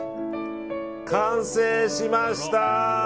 完成しました！